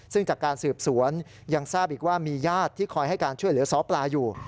ซึ่งจากการสืบสวนยังทราบอีกว่ามีญาติที่คอยให้การช่วยเหลือซ้อปลาอยู่